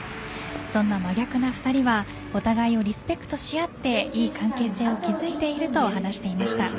そんな真逆な２人はお互いをリスペクトし合っていい関係性を築いていると話していました。